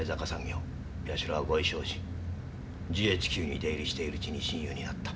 ＧＨＱに出入りしているうちに親友になった。